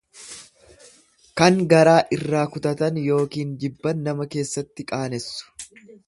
Kan garaa irraa kutatan yookiin jibban nama keessatti qaanessu.